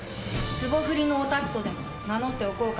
つぼ振りのおたつとでも名乗っておこうかね。